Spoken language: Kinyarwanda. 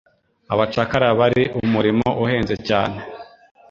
Abacakara bari umurimo uhenze cyane.